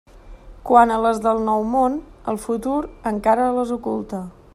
Quant a les del Nou Món, el futur encara les oculta.